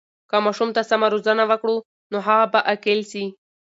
که ماشوم ته سمه روزنه وکړو، نو هغه به عاقل سي.